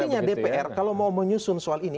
artinya dpr kalau mau menyusun soal ini